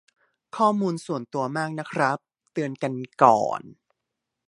ข้อมูลส่วนตัวมากนะครับ เตือนกันก่อน